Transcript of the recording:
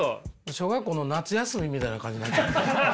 小学校の夏休みみたいな感じになって。